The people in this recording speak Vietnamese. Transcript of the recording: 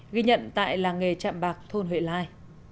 ghi nhận tại làng nghề chạm bạc thôn huệ lai